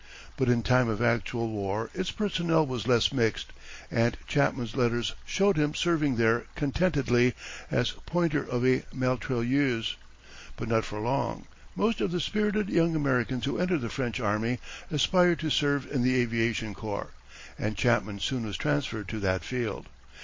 But in time of actual war its personnel was less mixed, and Chapman's letters showed him serving there contentedly as pointer of a mitrailleuse. But not for long. Most of the spirited young Americans who entered the French Army aspired to serve in the aviation corps, and Chapman soon was transferred to that field.